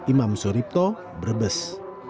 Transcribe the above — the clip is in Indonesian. imam suripto brebes